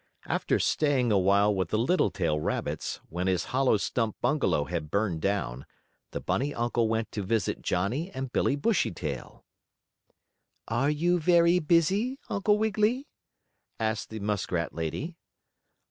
After staying a while with the Littletail rabbits, when his hollow stump bungalow had burned down, the bunny uncle went to visit Johnnie and Billie Bushytail. "Are you very busy, Uncle Wiggily?" asked the muskrat lady.